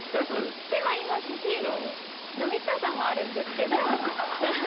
知ってはいますし飲みたさもあるんですけどハハハ